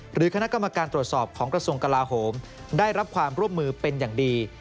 หรือคณะกรรมการตรวจสอบของกระทรวงกลาโหมได้รับความร่วมมือเป็นอย่างดี